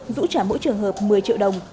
dũ trả mỗi trường hợp một mươi triệu đồng